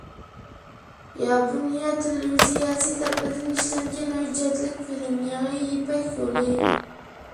ياپونىيە تېلېۋىزىيەسى تەرىپىدىن ئىشلەنگەن ھۆججەتلىك فىلىم: «يېڭى يىپەك يولى» .